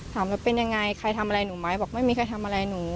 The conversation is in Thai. ถามแล้วเป็นยังไงใครทำอะไรหนูไหมบอกไม่มีใครทำอะไรหนู